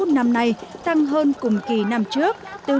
năm nay tăng hơn cùng kỳ năm trước từ một mươi một mươi năm